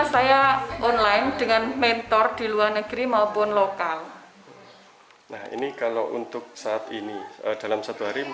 saya online dengan mentor di luar negeri maupun lokal nah ini kalau untuk saat ini dalam satu hari